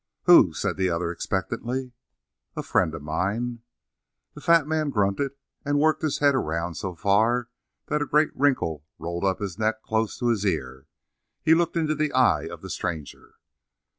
"Who?" said the other expectantly. "A friend of mine." The fat man grunted and worked his head around so far that a great wrinkle rolled up his neck close to his ear. He looked into the eye of the stranger.